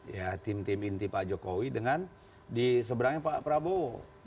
ya tim tim inti pak jokowi dengan di seberangnya pak prabowo